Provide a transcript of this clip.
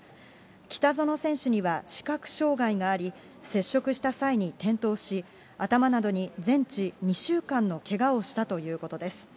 北薗選手には視覚障害があり、接触した際に転倒し、頭などに全治２週間のけがをしたということです。